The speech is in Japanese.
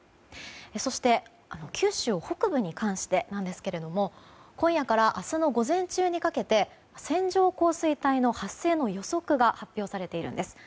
そして、九州北部に関してなんですけれども今夜から明日の午前中にかけて線状降水帯の発生の予測が発表されているんです。